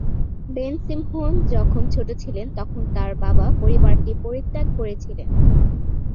Ben-Simhon যখন ছোট ছিলেন তখন তার বাবা পরিবারটি পরিত্যাগ করেছিলেন।